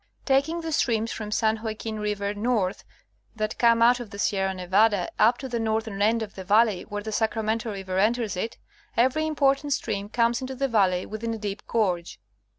Taking the streams from San Joaquin river north, that come out of the Sierra Nevada, up to the northern end of the valley where the Sacramento river enters it, every important stream comes into the valley within a deep gorge.